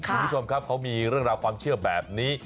คุณผู้ชมครับเขามีเรื่องราวความเชื่อแบบนี้